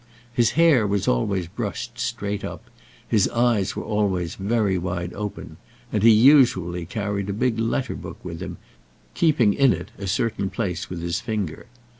His hair was always brushed straight up, his eyes were always very wide open, and he usually carried a big letter book with him, keeping in it a certain place with his finger.